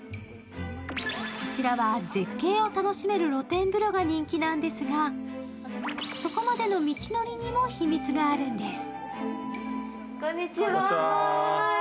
こちらは、絶景を楽しめる露天風呂が人気なんですが、そこまでの道のりにも秘密があるんです。